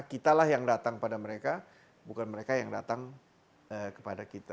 kitalah yang datang pada mereka bukan mereka yang datang kepada kita